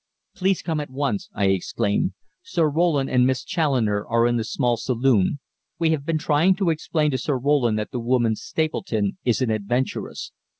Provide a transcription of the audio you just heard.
"Please come at once," I exclaimed. "Sir Roland and Miss Challoner are in the small saloon; we have been trying to explain to Sir Roland that the woman Stapleton is an adventuress.